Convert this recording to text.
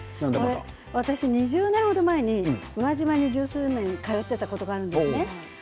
２０年程前に宇和島に十数年通っていたことがあるんです。